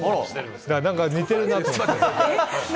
なんか似てるなと思って。